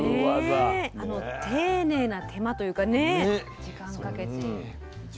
あの丁寧な手間というかね時間かけて。